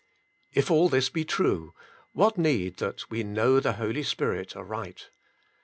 If all this be true, what need that we know the Holy Spirit aright.